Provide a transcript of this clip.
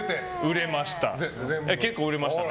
売れました。